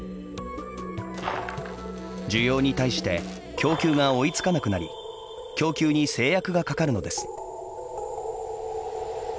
需要に対して供給が追いつかなくなり供給に制約がかかるのです。